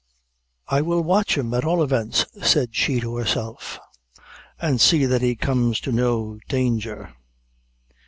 "I will watch him at all events," said she to herself, "and see that he comes to no ganger."